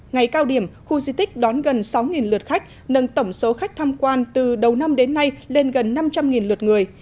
ngày cao điểm khu di tích đón gần sáu lượt khách nâng tổng số khách tham quan từ đầu năm đến nay lên gần năm trăm linh lượt người